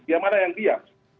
dia marah yang diam